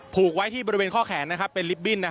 ผูกไว้ที่บริเวณข้อแขนเป็นลิฟตบิ้น